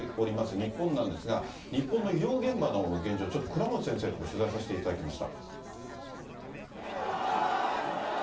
日本なんですが、日本の医療現場の現状、ちょっと倉持先生のところ、取材させていただきました。